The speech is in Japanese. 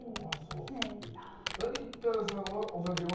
成田さんはお酒は？